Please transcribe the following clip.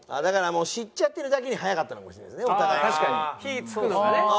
だからもう知っちゃってるだけに早かったのかもしれないですね。